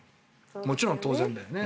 もちろん、当然だよね。